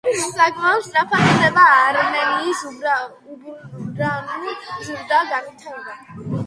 საკმაოდ სწრაფად ხდება არმენიის ურბანული ზრდა-განვითარება.